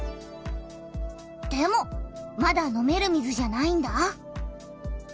でもまだ飲める水じゃないんだ。